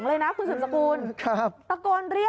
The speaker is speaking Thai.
น้องเฮ้ยน้องเฮ้ย